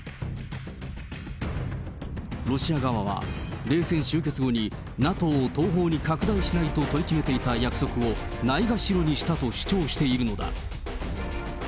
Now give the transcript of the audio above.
ロシア側は、冷戦終結後にＮＡＴＯを東方に拡大しないと取り決めていた約束を、ないがしろにしたと主張しているのだ。